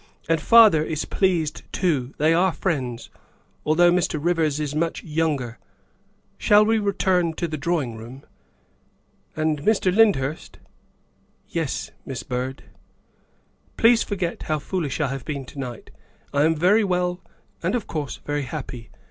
And father is pleased too; they are friends, although Mr. Rivers is much younger. Shall we return to the drawing room ? And Mr. Lyndhurst " "Yes, MissByrd." " Please forget how foolish I have been to night. I am very well, and, of course, very happy.